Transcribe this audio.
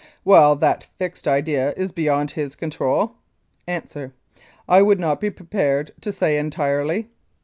Well, that fixed idea is beyond his control? A. I would not be prepared to say entirely.